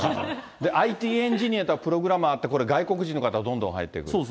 ＩＴエンジニアやプログラマーって、外国人の方、どんどん入ってくる。